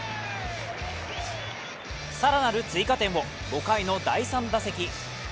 更なる追加点を５回の第３打席。